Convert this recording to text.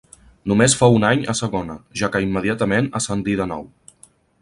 Només fou un any a segona, ja que immediatament ascendí de nou.